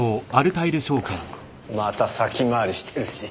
また先回りしてるし。